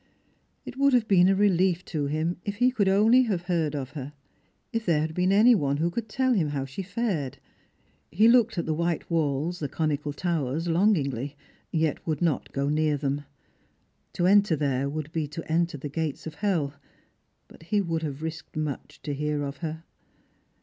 It would have been a relief to him if he could only have heard of her ; if there had been any one who could tell him how she fared. He looked at the white walls, the conical towers, long ingly, yet would not go near them. To enter there would be to enter the gates of hell. But he would have risked much to hear of her.